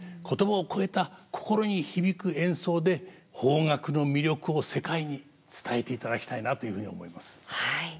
言葉を超えた心に響く演奏で邦楽の魅力を世界に伝えていただきたいなというふうに思います。